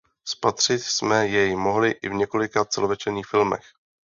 Spatřit jsme jej mohli i v několika celovečerních filmech.